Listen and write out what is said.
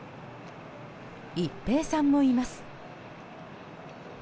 一平さんもいます。